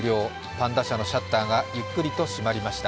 パンダ舎のシャッターがゆっくりと閉まりました。